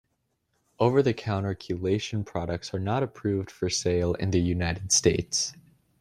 Over-the-counter chelation products are not approved for sale in the United States.